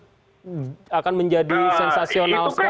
itu akan menjadi sensasional sekali